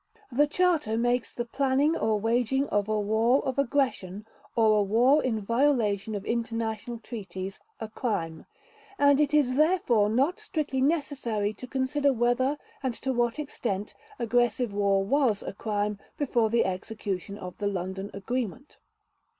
The Charter makes the planning or waging of a war of aggression or a war in violation of international treaties a crime; and it is therefore not strictly necessary to consider whether and to what extent aggressive war was a crime before the execution of the London Agreement.